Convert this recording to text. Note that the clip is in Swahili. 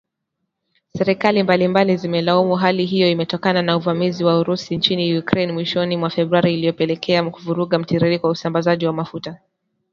Serikali mbalimbali zimelaumu hali hiyo imetokana na uvamizi wa Urusi nchini Ukraine mwishoni mwa Februari, iliyopelekea kuvuruga mtiririko wa usambazaji mafuta